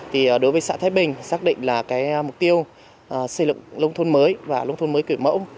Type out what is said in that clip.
thì đối với xã thái bình xác định là cái mục tiêu xây dựng nông thôn mới và lông thôn mới kiểu mẫu